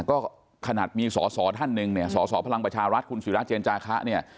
ก็ขนาดมีสอสอท่านหนึ่งเนี่ยสสพลังประชารัฐคุณศิราเจนจาคะเนี่ย